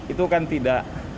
itu kan tidak